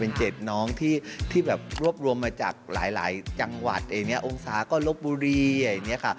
เป็นเจ็ดน้องที่แบบรวบรวมมาจากหลายจังหวัดเนี้ยอังสางกะโรคบุรีเนี้ย